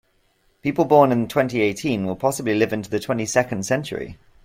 People born in twenty-eighteen will possibly live into the twenty-second century.